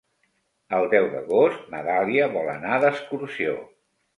El deu d'agost na Dàlia vol anar d'excursió.